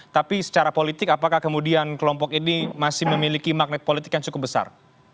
tapi secara politik apakah kemudian kelompok ini masih memiliki magnet politik yang cukup besar